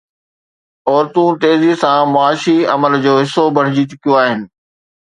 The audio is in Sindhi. عورتون تيزيءَ سان معاشي عمل جو حصو بڻجي چڪيون آهن.